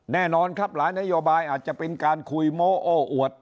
แน่นอนครับหลายนโยบายอาจจะเป็นการคุยโม้โอ้อวด